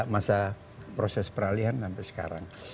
masa proses peralihan sampai sekarang